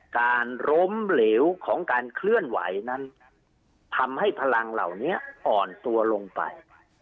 การล้มเหลวของการเคลื่อนไหวนั้นทำให้พลังเหล่านี้อ่อนตัวลงไป